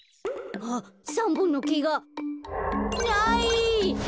あっ３ぼんのけがない！